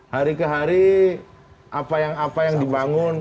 hari ke hari apa yang dibangun